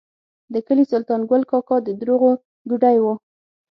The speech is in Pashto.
د کلي سلطان ګل کاکا د دروغو ګوډی و.